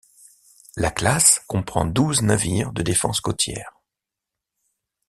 La classe comprend douze navires de défense côtière.